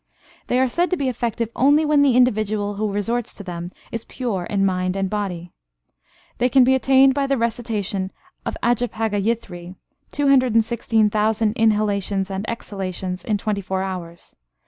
They are said to be effective only when the individual who resorts to them is pure in mind and body. This can be attained by the recitation of ajapagayithri (216,000 inhalations and exhalations in twenty four hours).